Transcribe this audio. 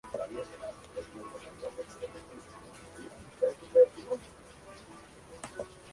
Una hibridación de los dos crea una variedad de trigo tolerante a la sal.